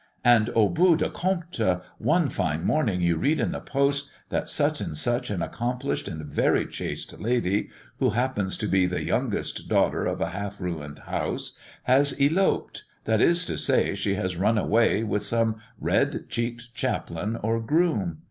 And, au bout du compte, one fine morning you read in the Post, that such and such an accomplished and very chaste lady, who happens to be the youngest daughter of a half ruined house, has eloped, that is to say, she has run away, with some red cheeked chaplain or groom.